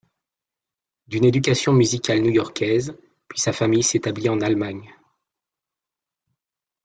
D'une éducation musicale newyorkaise puis sa famille s'établit en Allemagne.